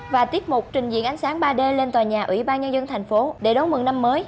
và tiết mục trình diễn ánh sáng ba d lên tòa nhà ủy ban nhân dân thành phố để đón mừng năm mới